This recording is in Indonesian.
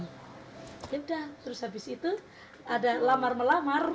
ya udah terus habis itu ada lamar melamar